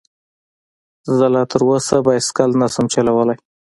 زه لا تر اوسه بايسکل نشم چلولی